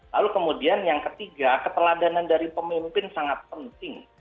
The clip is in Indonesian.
lalu kemudian yang ketiga keteladanan dari pemimpin sangat penting